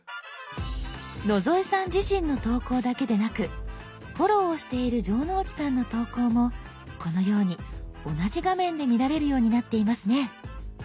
野添さん自身の投稿だけでなくフォローをしている城之内さんの投稿もこのように同じ画面で見られるようになっていますね。